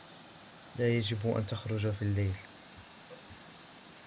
لا يجب أن تخرج في الليل.